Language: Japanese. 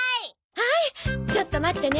はいちょっと待ってね。